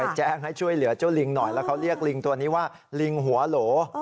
แจ้งให้ช่วยเหลือเจ้าลิงหน่อยแล้วเขาเรียกลิงตัวนี้ว่าลิงหัวโหล